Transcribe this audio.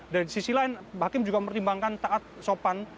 dan di sisi lain hakim juga mempertimbangkan taat sopan